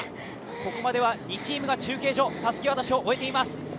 ここまでは２チームがたすき渡しを終えています。